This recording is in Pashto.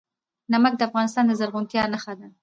نمک د افغانستان د زرغونتیا نښه ده.